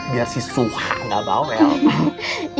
biar si suha gak bawel